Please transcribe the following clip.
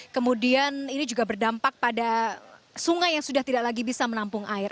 kemudian ini juga berdampak pada sungai yang sudah tidak lagi bisa menampung air